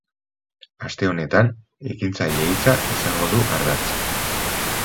Aste honetan, ekintzaile hitza izango du ardatz.